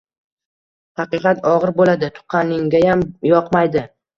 Haqiqat ogʻir boʻladi, tuqqaninggayam yoqmaydi!